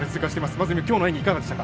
まず、きょうの演技いかがでしたか？